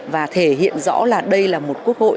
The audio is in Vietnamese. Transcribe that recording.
và thể hiện rõ là đây là một quốc hội